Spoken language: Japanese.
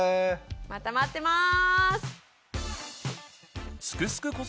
また待ってます！